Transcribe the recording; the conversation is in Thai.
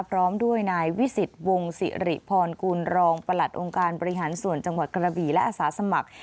พร้อมด้วยนายวิสิตวงสิริพรกุลรองประหลัดองค์การบริหารส่วนจังหวัดกระบี่และอาสาสมัคร